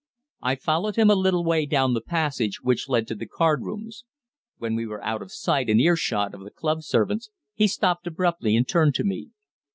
I followed him a little way down the passage which led to the card rooms. When we were out of sight and earshot of the club servants he stopped abruptly and turned to me.